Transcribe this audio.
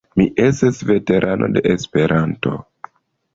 Mi estas veterano de Esperanto.